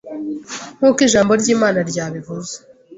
nk’uko ijambo ry’Imana ryabivuze